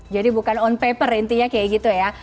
jadi bukan on paper intinya kayak gitu ya